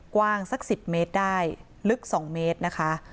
กว้างสัก๑๐เมตรได้ลึก๒เมตรนะคะ